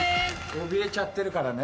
おびえちゃってるからね。